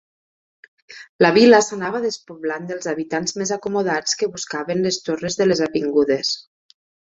La Vila s'anava despoblant dels habitants més acomodats que buscaven les torres de les avingudes.